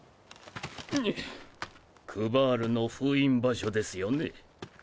クヴァールの封印場所ですよね。